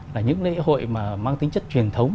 là những lễ hội mà mang tính chất truyền thống